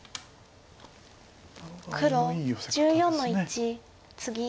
黒１４の一ツギ。